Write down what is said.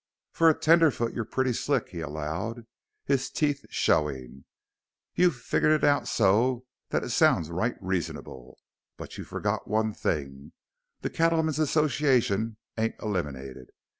"For a tenderfoot you're pretty slick," he allowed, his teeth showing. "You've figgered it out so that it sounds right reasonable. But you've forgot one thing. The Cattlemen's Association ain't eliminated.